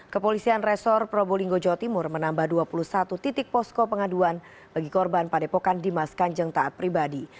kepolisian resor probolinggo jawa timur menambah dua puluh satu titik posko pengaduan bagi korban padepokan dimas kanjeng taat pribadi